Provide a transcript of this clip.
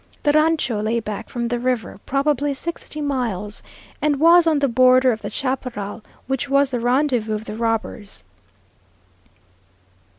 The rancho lay back from the river probably sixty miles, and was on the border of the chaparral, which was the rendezvous of the robbers.